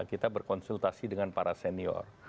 kita berkonsultasi dengan para senior